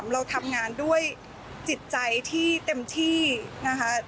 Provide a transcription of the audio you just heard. เราทำงานด้วยจิตใจที่เต็มที่นะคะ